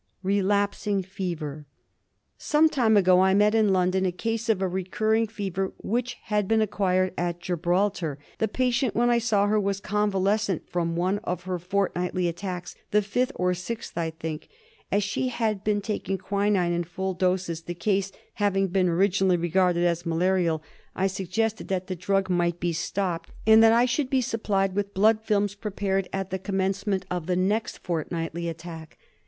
Relapsing Fever. Some time ago I met in London a case of a recurring fever which had been acquired at Gibraltar. The patient when I saw her was convalescent from one of her fort nightly attacks — the fifth or sixth, I think. As she had been taking quinine in full doses, the case having been originally regarded as malarial, I suggested that the drug RELAPSING FEVER. 187 might be stopped, and that I should be supplied with blood films prepared at the commencement of the next fortnightly attack.